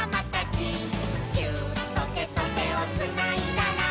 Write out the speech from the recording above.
「ギューッとてとてをつないだら」